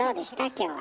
今日は。